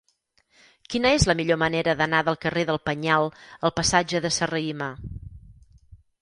Quina és la millor manera d'anar del carrer del Penyal al passatge de Serrahima?